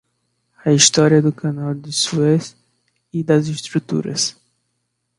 História do Canal de Suez e das estruturas